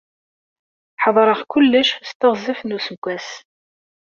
Ḥedṛeɣ kullec s teɣzef n useggas.